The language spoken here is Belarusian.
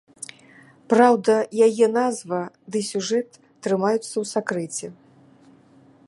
Праўда, яе назва ды сюжэт трымаюцца ў сакрэце.